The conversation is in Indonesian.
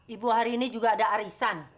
ibu hari ini juga ada arisan